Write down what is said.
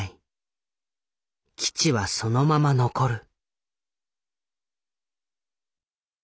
「基地はそのまま残る」。